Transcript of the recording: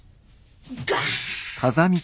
ガン！